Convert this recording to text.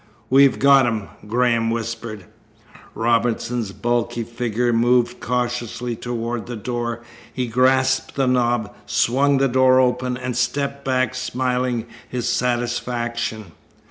"We've got him," Graham whispered. Robinson's bulky figure moved cautiously toward the door. He grasped the knob, swung the door open, and stepped back, smiling his satisfaction.